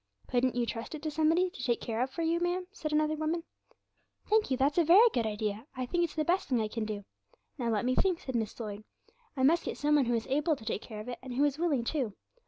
'"Couldn't you trust it to somebody, to take care of for you, ma'am?" said another woman. '"Thank you, that's a very good idea. I think it's the best thing I can do. Now let me think," said Miss Lloyd; "I must get some one who is able to take care of it, and who is willing too.